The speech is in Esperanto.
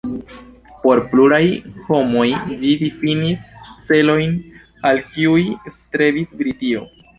Por pluraj homoj ĝi difinis celojn al kiuj strebis Britio.